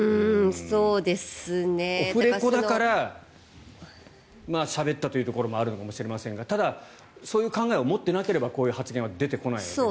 オフレコだからしゃべったというところもあるのかもしれませんがただそういう考えを持ってなければこういう発言は出てこないわけで。